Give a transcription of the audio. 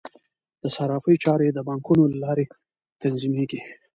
د صرافۍ چارې د بانکونو له لارې تنظیمیږي.